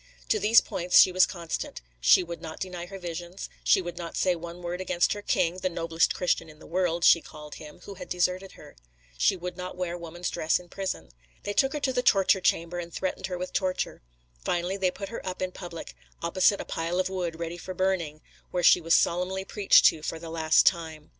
To these points she was constant: she would not deny her visions; she would not say one word against her king, "the noblest Christian in the world" she called him, who had deserted her. She would not wear woman's dress in prison. They took her to the torture chamber, and threatened her with torture. Finally, they put her up in public, opposite a pile of wood ready for burning, where she was solemnly preached to for the last time.